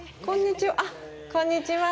こんにちは。